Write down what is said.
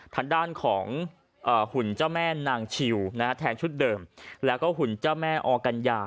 ทางด้านของหุ่นเจ้าแม่นางชิวแทนชุดเดิมแล้วก็หุ่นเจ้าแม่ออกัญญา